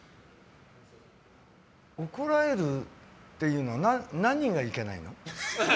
怒られるっていうのは何がいけないの？